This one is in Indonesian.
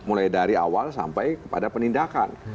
mulai dari awal sampai kepada penindakan